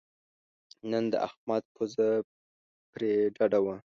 نن د احمد پوزه پرې ډډه وه.